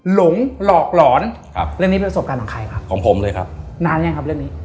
หลงหลอกหลอนครับเรื่องนี้ประสบการณ์ของใครครับของผมเลยครับนานยังครับเรื่องนี้